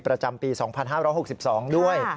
ประจำปี๒๕๖๒ด้วย